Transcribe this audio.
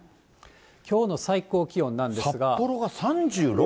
きょうの最高気温なんですが。